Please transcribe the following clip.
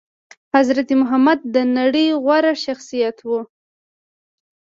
حضرت محمد د نړي غوره شخصيت وو